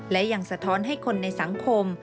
และยังสะท้อนให้คนในสังคม